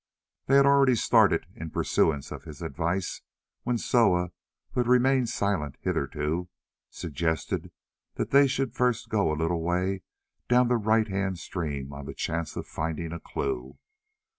They had already started in pursuance of his advice when Soa, who had remained silent hitherto, suggested that they should first go a little way down the right hand stream on the chance of finding a clue.